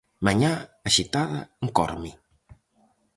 Mañá axitada en Corme.